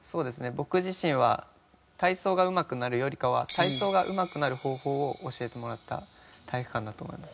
僕自身は体操がうまくなるよりかは体操がうまくなる方法を教えてもらった体育館だと思います。